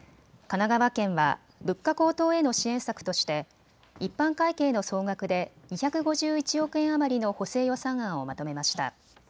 神奈川県は物価高騰への支援策として一般会計の総額で２５１億円余りの補正予算案をまとめました。